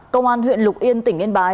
công an huyện lục yên tỉnh yên bái